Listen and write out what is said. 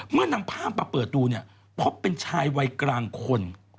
นำภาพมาเปิดดูเนี่ยพบเป็นชายวัยกลางคน